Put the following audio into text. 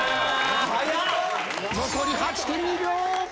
残り８．２秒。